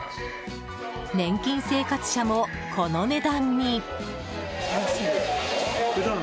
年金生活者も、この値段に。